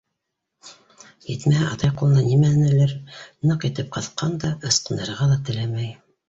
Етмәһә, атай ҡулына нимәнелер ныҡ итеп ҡыҫҡан да, ысҡындырырға ла теләмәй.